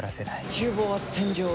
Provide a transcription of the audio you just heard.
厨房は戦場。